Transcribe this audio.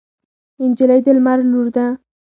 نجلۍ د لمر لور ده.